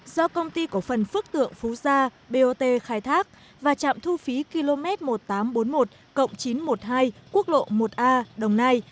do công ty cổ phần phước tượng phú gia bot khai thác và trạm thu phí km một nghìn tám trăm bốn mươi một chín trăm một mươi hai quốc lộ một a đồng nai